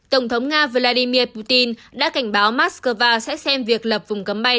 tổng thống nga vladimir putin đã cảnh báo moscow sẽ xem việc lập vùng cấm bay